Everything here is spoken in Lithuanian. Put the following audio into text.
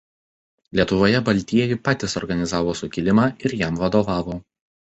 Lietuvoje baltieji patys organizavo sukilimą ir jam vadovavo.